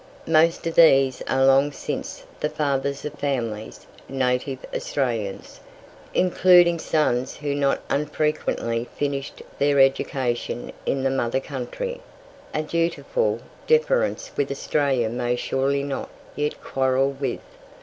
Most of these are long since the fathers of families, native Australians, including sons who not unfrequently finished their education in the mother country a dutiful deference which Australia may surely not yet quarrel with.